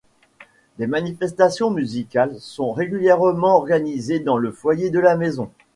Des manifestations musicales sont régulièrement organisées dans le foyer de la maison.